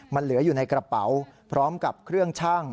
มันเหลืออยู่ในกระเป๋าพร้อมกับเครื่องชั่ง